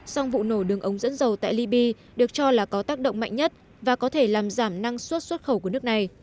song vụ nổ đường ống dẫn dầu tại liby được cho là có tác động mạnh nhất và có thể làm giảm năng suất xuất khẩu của nước này